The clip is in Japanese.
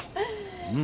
うん。